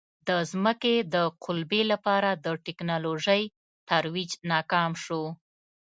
د ځمکې د قُلبې لپاره د ټکنالوژۍ ترویج ناکام شو.